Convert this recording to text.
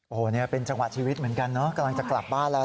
โอ้โหเนี่ยเป็นจังหวะชีวิตเหมือนกันเนอะกำลังจะกลับบ้านแล้ว